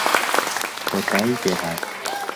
کۆتایی پێهات